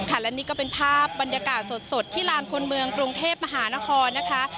และนี่ก็เป็นภาพบรรยากาศสดที่ลานคนเมืองกรุงเทพมหานครนะคะ